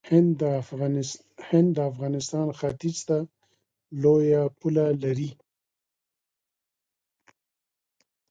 هند د افغانستان ختیځ ته لوی پوله لري.